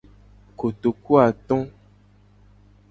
Kotokuato.